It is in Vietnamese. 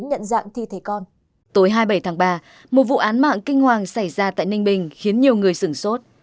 các bản tin kinh hoàng xảy ra tại ninh bình khiến nhiều người sửng sốt